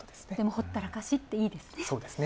ほったらかしっていいですね。